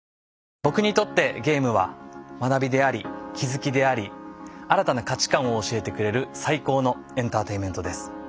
僕にとってゲームは学びであり気付きであり新たな価値観を教えてくれる最高のエンターテインメントです。